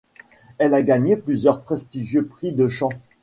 Elle a gagné plusieurs prestigieux prix de chant.